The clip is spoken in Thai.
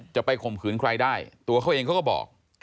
จะไปคมขืนใครได้ตัวเขาเองก็บอก